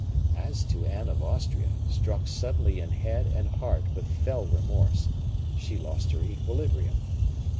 As to Anne of Austria, struck suddenly in head and heart with fell remorse, she lost her equilibrium.